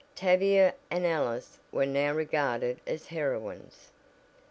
Tavia and Alice were now regarded as heroines.